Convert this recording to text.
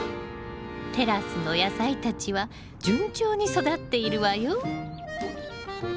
テラスの野菜たちは順調に育っているわよ。